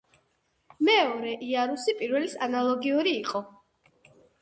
მეორე იარუსი პირველის ანალოგიური იყო.